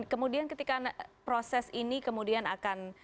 kemudian ketika proses ini kemudian akan